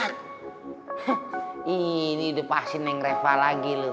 hah ini udah pasin yang reva lagi lo